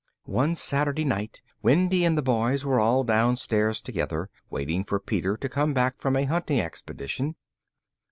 One Saturday night, Wendy and the Boys were all downstairs together, waiting for Peter to come back from a hunting expedition.